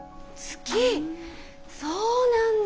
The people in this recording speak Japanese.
そうなんだ。